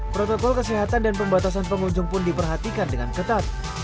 protokol kesehatan dan pembatasan pengunjung pun diperhatikan dengan ketat